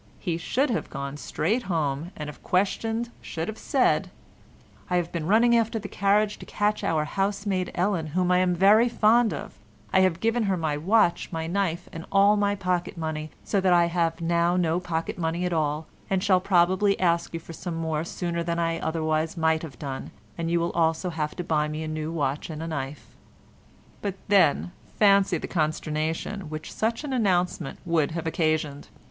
He should have gone straight home, and if questioned should have said, "I have been running after the carriage to catch our housemaid Ellen, whom I am very fond of; I have given her my watch, my knife and all my pocket money, so that I have now no pocket money at all and shall probably ask you for some more sooner than I otherwise might have done, and you will also have to buy me a new watch and a knife." But then fancy the consternation which such an announcement would have occasioned!